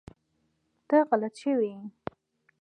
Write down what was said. ته غلط شوی ېي